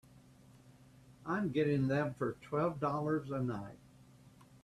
I'm getting them for twelve dollars a night.